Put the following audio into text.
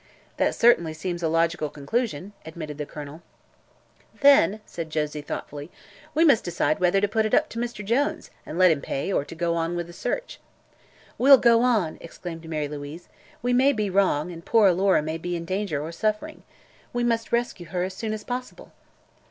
"That certainly seems a logical conclusion," admitted the Colonel. "Then," said Josie, thoughtfully, "we must decide whether to put it up to Mr. Jones, and let him pay, or to go on with the search." "We'll go on!" exclaimed Mary Louise. "We may be wrong, and poor Alora may be in danger, or suffering. We must rescue her as soon as possible."